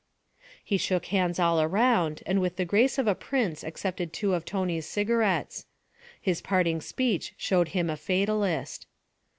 He shook hands all around and with the grace of a prince accepted two of Tony's cigarettes. His parting speech showed him a fatalist.